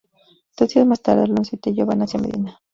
Dos días más tarde, Alonso y Tello van hacia Medina.